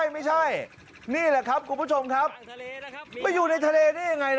มันกระพุนไง